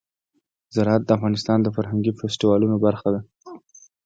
زراعت د افغانستان د فرهنګي فستیوالونو برخه ده.